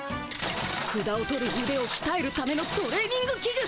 ふだを取るうでをきたえるためのトレーニングき具。